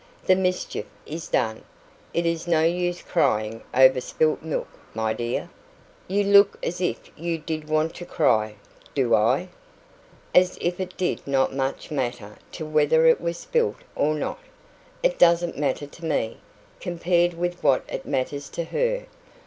The mischief is done. It is no use crying over spilt milk, my dear." "You look as if you did not want to cry." "Do I?" "As if it did not much matter to you whether it was spilt or not." "It doesn't matter to me, compared with what it matters to her."